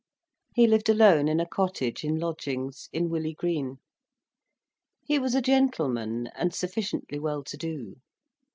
He lived alone in a cottage, in lodgings, in Willey Green. He was a gentleman, and sufficiently well to do.